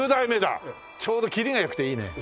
ちょうどきりが良くていいね。